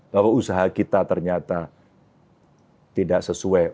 bahwa usaha kita ternyata tidak sesuai